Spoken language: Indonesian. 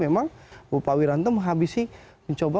memang bupak wiranto mencoba